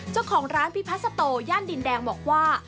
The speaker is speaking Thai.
เจ้าของร้านพิพัสโตย่านดินแดงบอกว่า